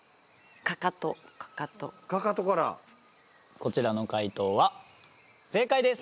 こちらの解答は正解です！